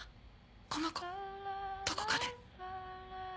この子どこかで。